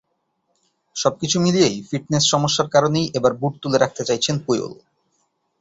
সবকিছু মিলিয়েই ফিটনেস সমস্যার কারণেই এবার বুট তুলে রাখতে চাইছেন পুয়োল।